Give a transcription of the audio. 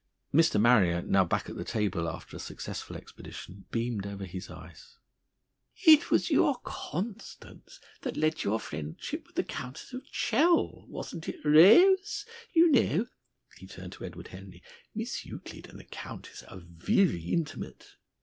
Mr. Marrier, now back at the table after a successful expedition, beamed over his ice: "It was your 'Constance' that led to your friendship with the Countess of Chell, wasn't it, Ra ose? You know," he turned to Edward Henry, "Miss Euclid and the countess are virry intimate."